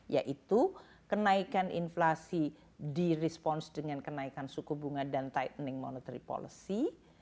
yaitu kenaikan inflasi di response dengan kenaikan suku bunga dan tightening monetary policy